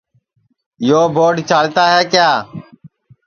یو بوڈ چالتا ہے کیا